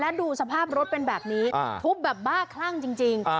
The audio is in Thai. ดูสภาพรถเป็นแบบนี้ทุบแบบบ้าคลั่งจริง